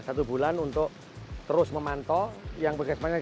satu bulan untuk terus memantau yang puskesmas